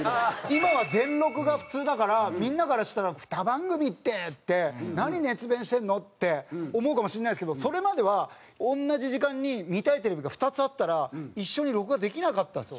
今は全録が普通だからみんなからしたら「２番組って」って「何熱弁してるの？」って思うかもしれないですけどそれまでは同じ時間に見たいテレビが２つあったら一緒に録画できなかったんですよ。